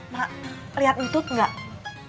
ma lihat entut gak